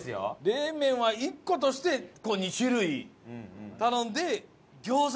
冷麺は１個として２種類頼んで。